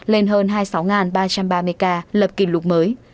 lên hơn hai mươi sáu ba trăm ba mươi ca lập kỷ lục mới